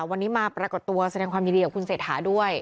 วันนี้มาปรากฏตัวแสดงความยินดีกับคุณเศรษฐาด้วย